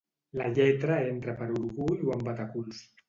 La lletra entra per orgull o amb bateculs.